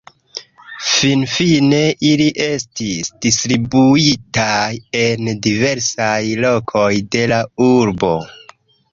Finfine ili estis distribuitaj en diversaj lokoj de la urbo.